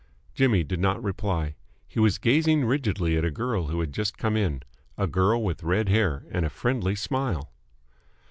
Jimmy did not reply. He was gazing rigidly at a girl who had just come in, a girl with red hair and a friendly smile.